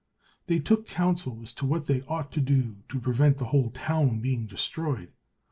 They took counsel as to what they ought to do to prevent the whole town being destroyed.